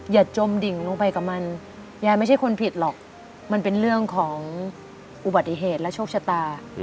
ยายไม่ใช่คนผิดหรอกมันเป็นเรื่องของอุบัติเหตุและชกชะตา